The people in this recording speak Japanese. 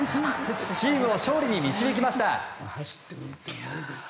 チームを勝利に導きました。